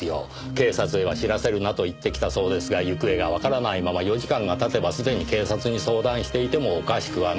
警察へは知らせるなと言ってきたそうですが行方がわからないまま４時間が経てばすでに警察に相談していてもおかしくはない。